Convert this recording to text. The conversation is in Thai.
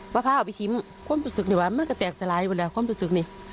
ว่าพาเอาไปถิ่มความรู้สึกนี่ว่ามันก็แตกสลายอยู่แหละความรู้สึกนี่